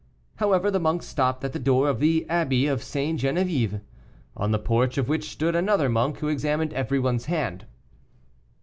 However, the monks stopped at the door of the Abbey of St. Geneviève, in the porch of which stood another monk, who examined everyone's hand.